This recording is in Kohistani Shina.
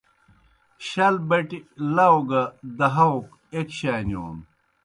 شل بٹیْ لاؤ گہ دہاؤک ایْک شانِیون